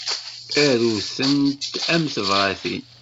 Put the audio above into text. Aru-tent am tebratin.